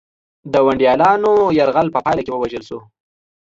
د ونډالیانو یرغل په پایله کې ووژل شو